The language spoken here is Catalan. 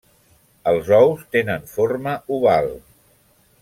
Els ous tenen forma oval.